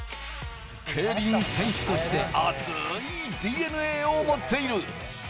競輪選手としてアツいＤＮＡを持っている。